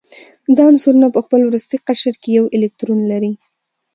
دا عنصرونه په خپل وروستي قشر کې یو الکترون لري.